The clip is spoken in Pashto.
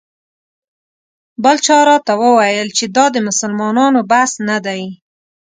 بل چا راته وویل چې دا د مسلمانانو بس نه دی.